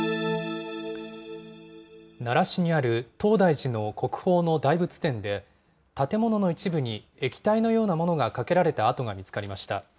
奈良市にある東大寺の国宝の大仏殿で、建物の一部に液体のようなものがかけられた跡が見つかりました。